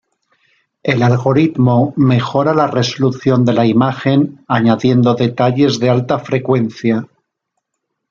El algoritmo mejora la resolución de la imagen añadiendo detalles de alta frecuencia.